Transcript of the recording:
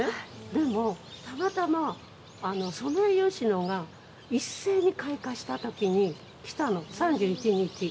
でも、たまたまソメイヨシノが一斉に開花したときに来たの３１日。